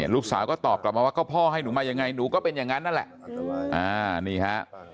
ลูกสาวก็ตอบกลับมาว่าก็พ่อให้หนูมายังไงหนูก็เป็นอย่างนั้นนั่นแหละนี่ฮะ